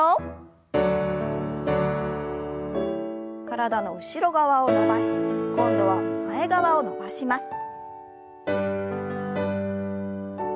体の後ろ側を伸ばして今度は前側を伸ばします。